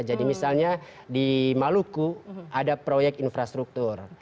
jadi misalnya di maluku ada proyek infrastruktur